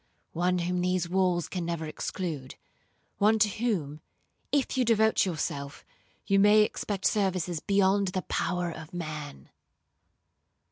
'—'One whom these walls can never exclude. One to whom, if you devote yourself, you may expect services beyond the power of man.'